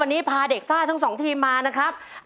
วันนี้พาเด็กซ่าทั้งสองทีมมานะครับ